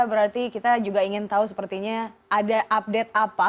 berarti kita juga ingin tahu sepertinya ada update apa